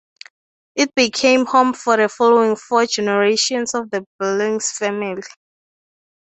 It became the home for the following four generations of the Billings family.